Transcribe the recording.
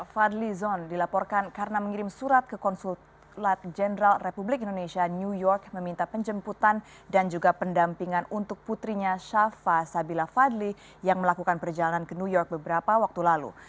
fadli zon dilaporkan karena mengirim surat ke konsulat jenderal republik indonesia new york meminta penjemputan dan juga pendampingan untuk putrinya shafa sabila fadli yang melakukan perjalanan ke new york beberapa waktu lalu